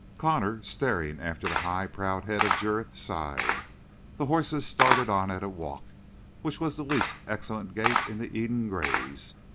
Connor, staring after the high, proud head of Jurith, sighed. The horses started on at a walk which was the least excellent gait in the Eden Grays.